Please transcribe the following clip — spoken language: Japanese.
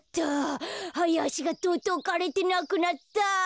ハヤアシがとうとうかれてなくなった。